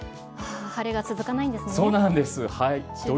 晴れが続かないですね。